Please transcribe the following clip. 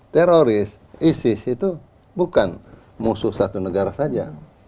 teroris isis itu bukan musuh satu negara saja